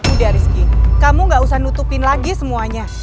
udah rizky kamu gak usah nutupin lagi semuanya